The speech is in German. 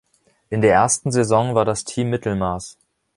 In der ersten Saison war das Team Mittelmaß.